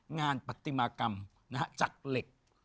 งานปฏิมากรรมนะครับจากเหล็ก